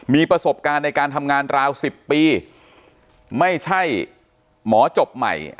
มีประสบการณ์ในการทำงานราว๑๐ปีไม่ใช่หมอจบใหม่